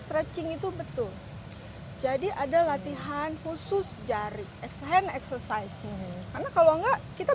stretching itu betul jadi ada latihan khusus jari ex hand exercise karena kalau enggak kita